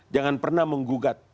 jangan pernah menggugat